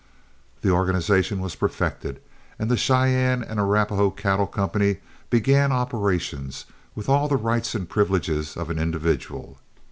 The organization was perfected, and The Cheyenne and Arapahoe Cattle Company began operations with all the rights and privileges of an individual.